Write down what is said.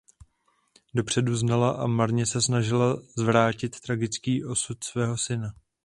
Dopředu znala a marně se snažila zvrátit tragický osud svého syna.